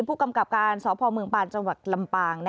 ผู้กำกับการสพเมืองปานจลำปาง